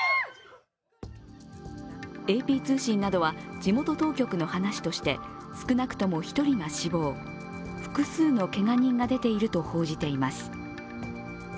ＡＰ通信などは地元当局の話として少なくとも１人が死亡複数のけが人が出ていると報じています。